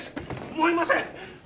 燃えません。